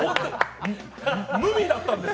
無理だったんです。